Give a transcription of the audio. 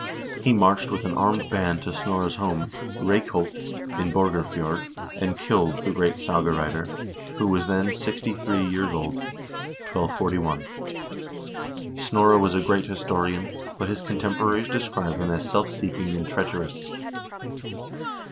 He marched with an armed band to Snorre's home, Reyk holt, in Borgarfjord, and killed the great saga writer, who was then sixty three years old (1241). Snorre was a great historian, but his contemporaries describe him as self seeking and treacherous.